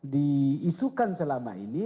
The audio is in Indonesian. diisukan selama ini